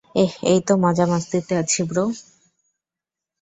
এহ, এইতো মজা-মাস্তিতে আছি ব্রো।